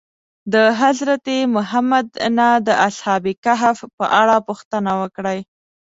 د حضرت محمد نه د اصحاب کهف په اړه پوښتنه وکړئ.